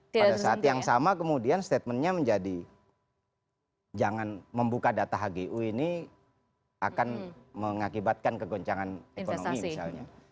pada saat yang sama kemudian statementnya menjadi jangan membuka data hgu ini akan mengakibatkan kegoncangan ekonomi misalnya